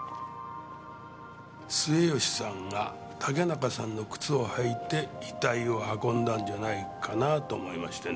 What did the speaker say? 末吉さんが竹中さんの靴を履いて遺体を運んだんじゃないかなと思いましてね。